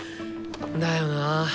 だよな。